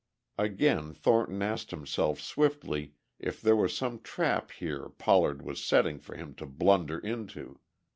Again Thornton asked himself swiftly if there were some trap here Pollard was setting for him to blunder into.